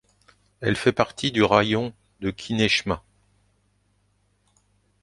Elle fait partie du raïon de Kinechma.